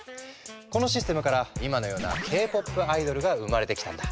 このシステムから今のような「Ｋ−ＰＯＰアイドル」が生まれてきたんだ。